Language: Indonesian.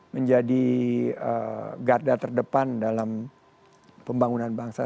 menjadi garda terdepan dalam pembangunan bangsa